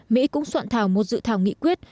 mỹ cũng soạn thảo một sự thảo nghị quyết